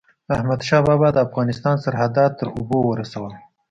احمدشاه بابا د افغانستان سرحدات تر اوبو ورسول.